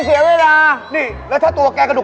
ไม่มีอะไรของเราเล่าส่วนฟังครับพี่